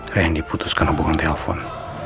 saya yang diputus karena buang telepon